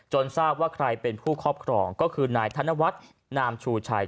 ทราบว่าใครเป็นผู้ครอบครองก็คือนายธนวัฒน์นามชูชัย